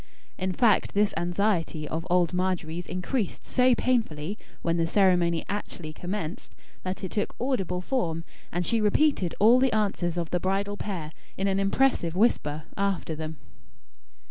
In fact this anxiety of old Margery's increased so painfully when the ceremony actually commenced, that it took audible form; and she repeated all the answers of the bridal pair, in an impressive whisper, after them.